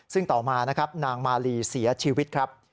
ซึ่งต่อมานะครับนางมาลีเสียชีวิตครับ